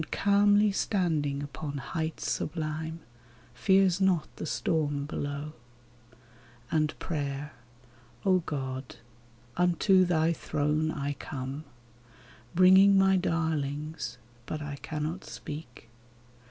And calmly standing upon heights sublime. Fears not the storm below. And prayer ! O God ! unto thy throne I come, Bringing my darlings — but I cannot speak.